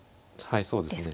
はいそうですね。